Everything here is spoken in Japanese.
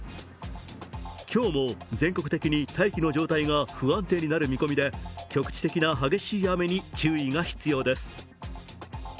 今日も全国的に大気の状態が不安定になる見込みで局地的な激しい雨に注意が必要です。